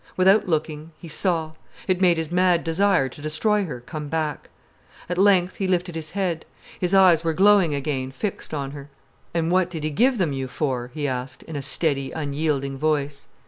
Without looking, he saw. It made his mad desire to destroy her come back. At length he lifted his head. His eyes were glowing again, fixed on her. "And what did he give them you for?" he asked, in a steady, unyielding voice.